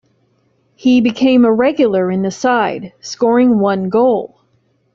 He became a regular in the side, scoring one goal.